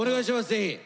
ぜひ！